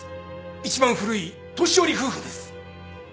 一番古い年寄り夫婦です。